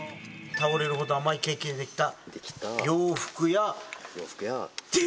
「倒れるほど甘いケーキでできた」